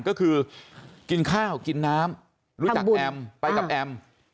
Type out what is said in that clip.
ก็คือกินข้าวกินน้ำรู้จักแอมไปกับแอม